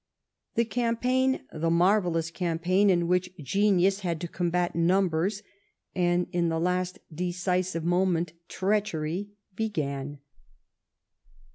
The campaign — the marvellous campaign in which Genius had to combat numbers, and, in the last decisive moment, treachery — began.